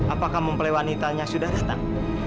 apakah mempelewati tanya sudah datang